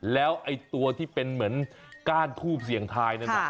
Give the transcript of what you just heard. แล้วตัวที่เป็นเหมือนก้านคู่เสี่ยงทายนั้น